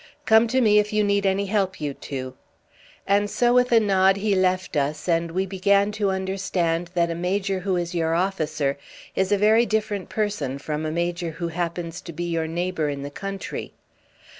Come to me if you need any help, you two." And so with a nod he left us, and we began to understand that a Major who is your officer is a very different person from a Major who happens to be your neighbour in the country.